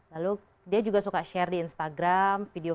lalu dia juga suka share di instagram video